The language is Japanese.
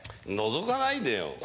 のぞかないでよ。